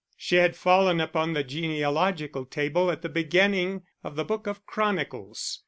_" She had fallen upon the genealogical table at the beginning of the Book of Chronicles.